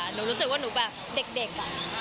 หนูรู้สึกว่าหนูแบบเด็กอะ